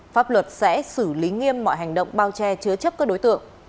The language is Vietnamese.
pháp luật sẽ xử lý nghiêm mọi hành động bao che chứa chấp các đối tượng